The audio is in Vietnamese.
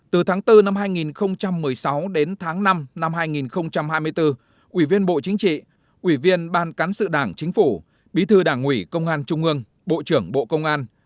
từ tháng bốn năm hai nghìn một mươi sáu đến tháng năm năm hai nghìn hai mươi bốn ủy viên bộ chính trị ủy viên ban cán sự đảng chính phủ bí thư đảng ủy công an trung ương bộ trưởng bộ công an